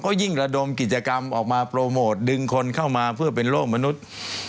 ก็ยิ่งระดมกิจกรรมออกมาโปรโมทดึงคนเข้ามาเพื่อเป็นโลกมนุษย์